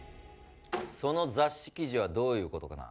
その雑誌記事はどういうことかな？